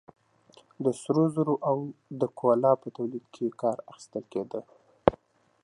د سرو زرو او د کولا په تولید کې کار اخیستل کېده.